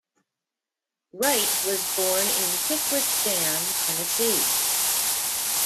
Wright was born in Pickwick Dam, Tennessee.